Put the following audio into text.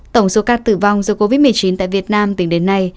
tổng số ca tử vong do covid một mươi chín tại việt nam tính đến nay